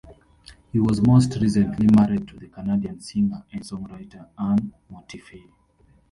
He was most recently married to the Canadian singer and songwriter Ann Mortifee.